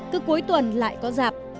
cứ cuối tuần lại có giảp